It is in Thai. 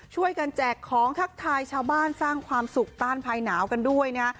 แจกของทักทายชาวบ้านสร้างความสุขต้านภายหนาวกันด้วยนะ